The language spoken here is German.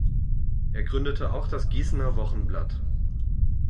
Er gründete auch das "Gießener Wochenblatt".